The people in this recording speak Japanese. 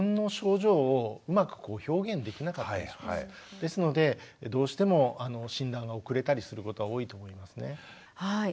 ですのでどうしても診断が遅れたりすることは多いと思いますね。